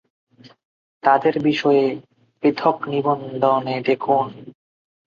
তাদের বিষয়ে পৃথক নিবন্ধে দেখুন।